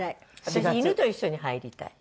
私犬と一緒に入りたい。